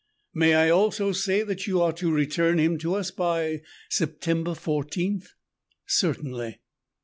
"May I also say that you are to return him to us by September fourteenth?" "Certainly."